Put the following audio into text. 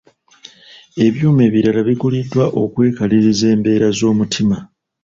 Ebyuma ebirala biguliddwa okwekaliriza embeera z'omutima.